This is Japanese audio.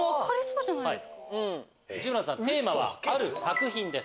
でも内村さんテーマはある作品です。